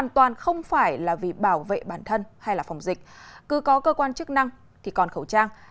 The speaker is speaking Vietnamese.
toàn không phải là vì bảo vệ bản thân hay là phòng dịch cứ có cơ quan chức năng thì còn khẩu trang